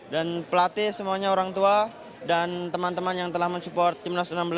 dan pelatih semuanya orang tua dan teman teman yang telah mensupport tim nas u enam belas